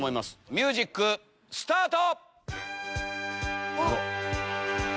ミュージックスタート！